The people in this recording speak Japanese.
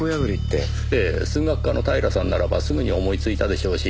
ええ数学科の平さんならばすぐに思いついたでしょうし